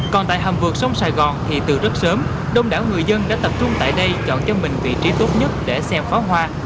còn tại hầm vượt sông sài gòn thì từ rất sớm đông đảo người dân đã tập trung tại đây chọn cho mình vị trí tốt nhất để xem pháo hoa